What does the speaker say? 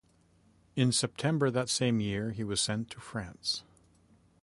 In September that same year he was sent to France.